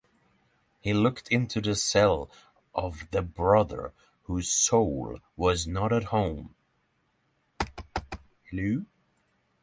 He looked into the cell of the brother whose soul was not at home.